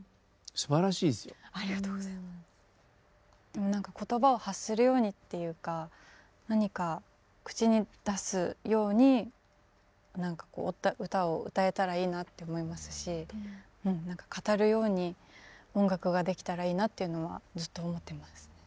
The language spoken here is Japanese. でも何か言葉を発するようにっていうか何か口に出すように何かこう歌を歌えたらいいなって思いますしうん何か語るように音楽ができたらいいなっていうのはずっと思ってますね。